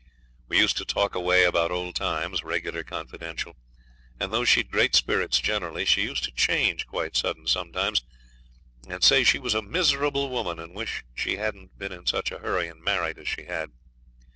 We used to talk away about old times, regular confidential, and though she'd great spirits generally, she used to change quite sudden sometimes and say she was a miserable woman, and wished she hadn't been in such a hurry and married as she had.